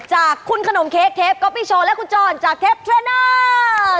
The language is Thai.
จากคุณขนมเค้กเทปก๊อปปี้โชว์และคุณจรจากเทปเทรนเนอร์